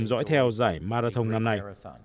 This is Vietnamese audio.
dõi theo giải marathon năm nay